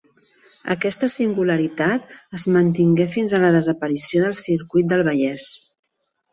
Aquesta singularitat es mantingué fins a la desaparició del Circuit del Vallès.